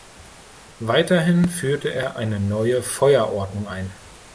Weiterhin führte er eine neue Feuerordnung ein.